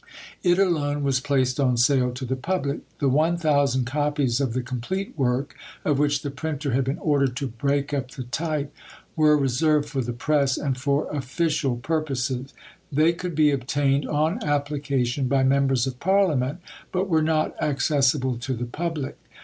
It alone was placed on sale to the public; the 1000 copies of the complete work (of which the printer had been ordered to break up the type) were reserved for the press and for official purposes. They could be obtained (on application) by members of Parliament, but were not accessible to the public.